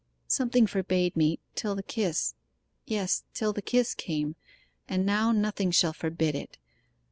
'Something forbade me till the kiss yes, till the kiss came; and now nothing shall forbid it!